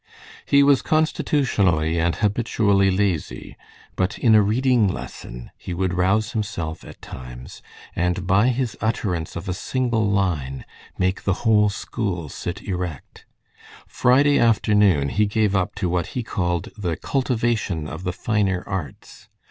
He was constitutionally and habitually lazy, but in a reading lesson he would rouse himself at times, and by his utterance of a single line make the whole school sit erect. Friday afternoon he gave up to what he called "the cultivation of the finer arts."